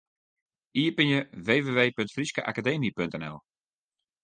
Iepenje www.fryskeakademy.nl.